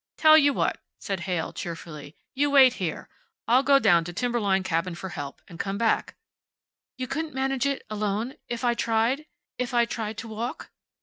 "Tell you what," said Heyl, cheerfully. "You wait here. I'll go on down to Timberline Cabin for help, and come back." "You couldn't manage it alone? If I tried? If I tried to walk?"